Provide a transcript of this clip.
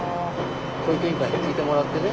教育委員会に聞いてもらってね。